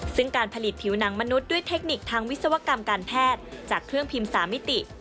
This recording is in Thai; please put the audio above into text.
ซึ่งการผลิตผิวหนังมนุษย์ด้วยเทคนิคทางวิศวกรรมการแพทย์จากเครื่องพิมพ์๓มิติ